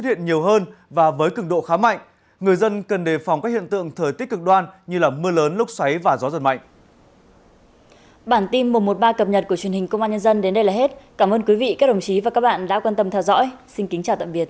chương trình công an nhân dân đến đây là hết cảm ơn quý vị các đồng chí và các bạn đã quan tâm theo dõi xin kính chào tạm biệt